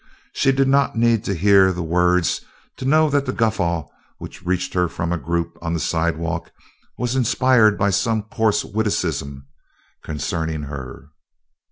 She did not need to hear the words to know that the guffaw which reached her from a group on the sidewalk was inspired by some coarse witticism concerning her.